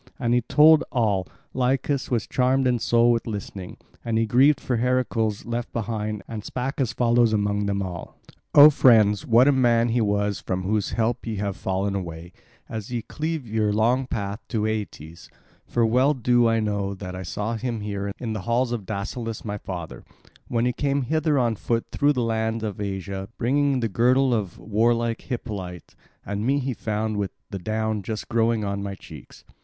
And as he told all, Lycus was charmed in soul with listening; and he grieved for Heracles left behind, and spake as follows among them all: "O friends, what a man he was from whose help ye have fallen away, as ye cleave your long path to Aeetes; for well do I know that I saw him here in the halls of Dascylus my father, when he came hither on foot through the land of Asia bringing the girdle of warlike Hippolyte; and me he found with the down just growing on my cheeks.